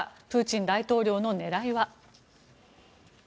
プーチン大統領の狙いは。